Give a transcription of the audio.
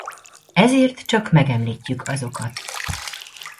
Ezért csak megemlítjük azokat.